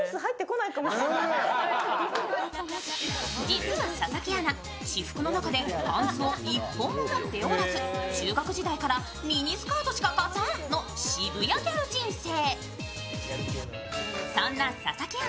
実は佐々木アナ、私服の中でパンツを一本も持っておらず中学時代からミニスカートしか勝たん！の渋谷ギャル人生。